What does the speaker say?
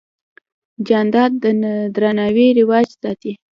جانداد د درناوي رواج ساتي.